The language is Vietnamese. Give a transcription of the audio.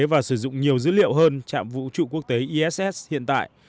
và sử dụng nhiều dữ liệu hơn trạm vũ trụ quốc tế iss hiện tại